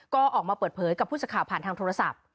ก็ออกมาเปิดเผยกับผู้สื่อข่าวผ่านทางโทรศัพท์